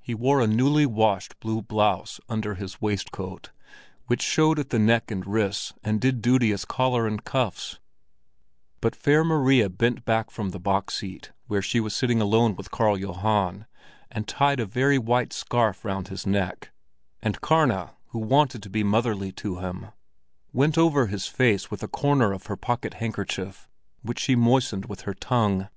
He wore a newly washed blue blouse under his waistcoat, which showed at the neck and wrists and did duty as collar and cuffs; but Fair Maria bent back from the box seat, where she was sitting alone with Karl Johan, and tied a very white scarf round his neck, and Karna, who wanted to be motherly to him, went over his face with a corner of her pocket handkerchief, which she moistened with her tongue.